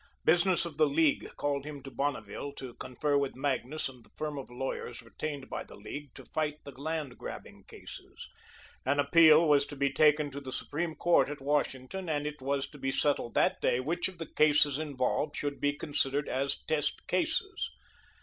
Business of the League called him to Bonneville to confer with Magnus and the firm of lawyers retained by the League to fight the land grabbing cases. An appeal was to be taken to the Supreme Court at Washington, and it was to be settled that day which of the cases involved should be considered as test cases.